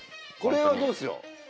これはどうっすよ？